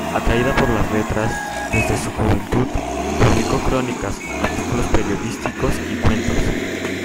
Atraída por las letras, desde su juventud, publicó crónicas, artículos periodísticos y cuentos.